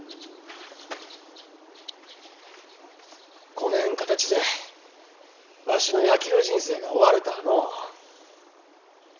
こねん形でわしの野球人生が終わるたあのう。